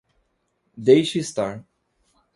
Deixe estar.